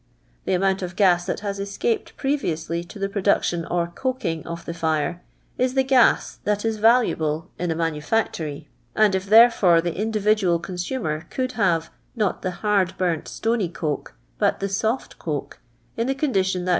The amount of gas that has e<«capod previoujkly to the production or coking of the tire, is the gas that is valuable in a manutaetory, and if therofore the individual consumer conbl have, not the hnrd burnt stony coke, but tiie soft coke, in the condition thit w.